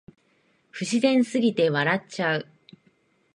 不自然すぎて笑っちゃう